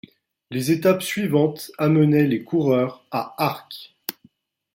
L'étape suivante amenait les coureurs à Arques.